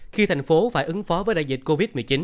khi thành phố phải ứng phó với đại dịch covid một mươi chín